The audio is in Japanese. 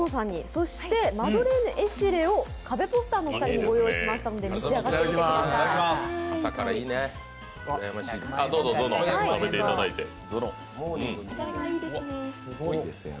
そしてマドレーヌ・エシレをカベポスターのお二人に御用意しましたので、召し上がってください。